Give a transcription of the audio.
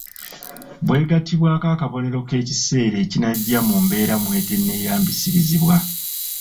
Bw’egattibwako akabonero k’ekiseera ekinajja mu mbeera mw’etenneeyambisirizibwa.